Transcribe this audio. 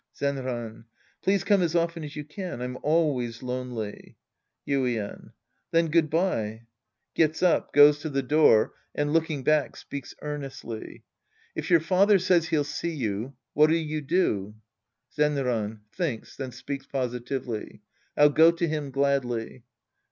Zenran. Please come as often as you can. I'm always lonely. Yuien. Then good bye. {Gets up, goes to the door Sc. I The Priest and His Disciples ns and, looking back, speaks earnestly^ If your father says he'll see you, what'll you do ? Zenran (thinks, then speaks positively). I'll go to him gladly.